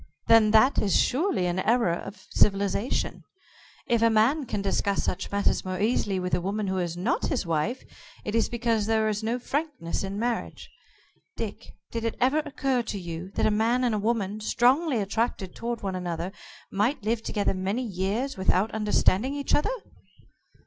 Then that is surely an error of civilization. If a man can discuss such matters more easily with a woman who is not his wife, it is because there is no frankness in marriage. Dick, did it ever occur to you that a man and woman, strongly attracted toward one another, might live together many years without understanding each other?"